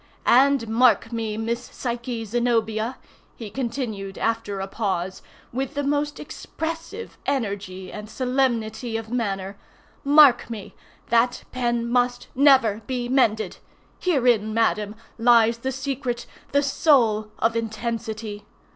And, mark me, Miss Psyche Zenobia!" he continued, after a pause, with the most expressive energy and solemnity of manner, "mark me!—that pen—must—never be mended! Herein, madam, lies the secret, the soul, of intensity.